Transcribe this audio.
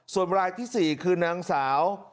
ส่วนรายที่๔คือนางสาว